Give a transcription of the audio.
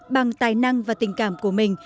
bằng tài năng và tình cảm của mình